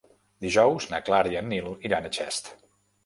Dijous na Clara i en Nil iran a Xest.